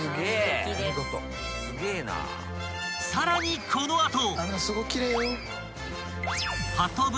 ［さらにこの後］